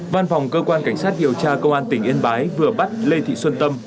văn phòng cơ quan cảnh sát điều tra công an tỉnh yên bái vừa bắt lê thị xuân tâm